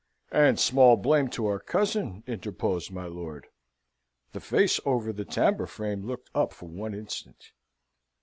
"And small blame to our cousin!" interposed my lord. (The face over the tambour frame looked up for one instant.)